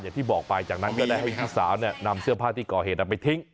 อย่างที่บอกไปจากนั้นก็ได้ให้พี่สาวนำเสื้อผ้าที่ก่อเหตุไปทิ้ง